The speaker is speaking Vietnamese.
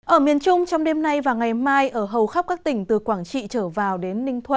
ở miền trung trong đêm nay và ngày mai ở hầu khắp các tỉnh từ quảng trị trở vào đến ninh thuận